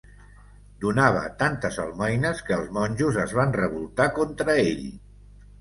Donava tantes almoines que els monjos es van revoltar contra ell.